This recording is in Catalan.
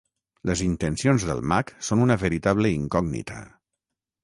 Les intencions del mag són una veritable incògnita.